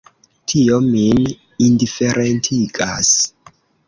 Tio min indiferentigas.